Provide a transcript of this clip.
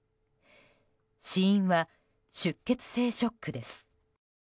死因は出血性ショックです。